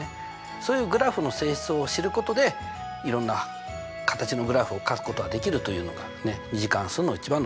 そういうグラフの性質を知ることでいろんな形のグラフをかくことができるというのが２次関数の一番の学習だと思います。